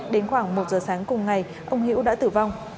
đến khoảng một giờ sáng cùng ngày ông hiễu đã tử vong